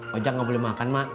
mak aja gak boleh makan mak